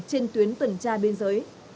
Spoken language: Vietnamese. trên tuyến tuần tra biên giới